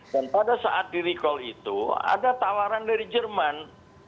dan pada saat di recall itu ada tawaran dari jerman untuk saya datang ke sana